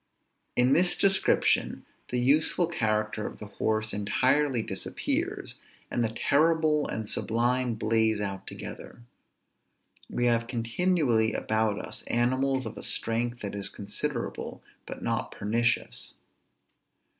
In this description, the useful character of the horse entirely disappears, and the terrible and sublime blaze out together. We have continually about us animals of a strength that is considerable, but not pernicious.